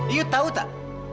ibu tahu tak